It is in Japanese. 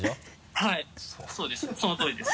はいそうですその通りです。